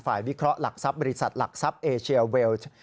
วิเคราะห์หลักทรัพย์บริษัทหลักทรัพย์เอเชียเวลส์